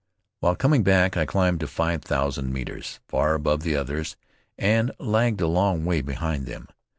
While coming back I climbed to five thousand metres, far above the others, and lagged a long way behind them.